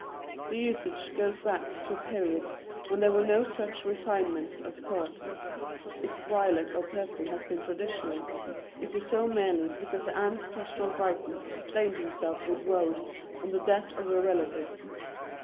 The usage goes back to a period when there were no such refinements of thought. If violet or purple has been traditional, it is so merely because the ancestral Briton stained himself with woad on the death of a relative.